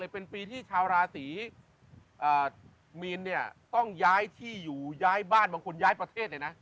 เป็นปีที่ชาวราศีมีนต้องย้ายที่อยู่ย้ายบ้านบางคนย้ายประเทศเลยนะ